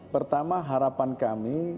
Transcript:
pertama harapan kami